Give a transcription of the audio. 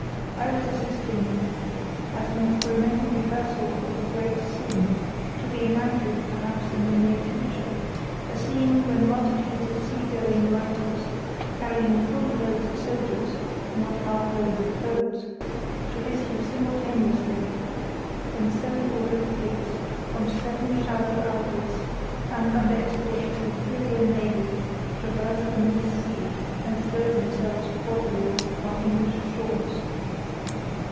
I was assisting at an experimental rehearsal of a great scene, to be enacted, perhaps, in the near future—a scene when multitudes of seagoing lighters, carrying full loads of soldiers, not half loads of coals, should issue simultaneously, in seven ordered fleets, from seven shallow outlets, and, under escort of the Imperial Navy, traverse the North Sea and throw themselves bodily upon English shores.